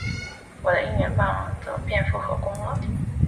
我的应援棒怎么变成复合弓了？